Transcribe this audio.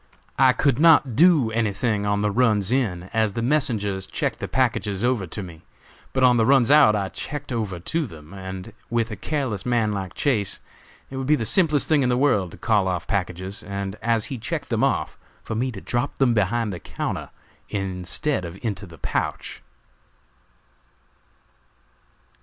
I could not do anything on the runs in, as the messengers checked the packages over to me, but on the runs out I checked over to them, and, with a careless man like Chase, it would be the simplest thing in the world to call off packages, and, as he checked them off, for me to drop them behind the counter instead of into the pouch."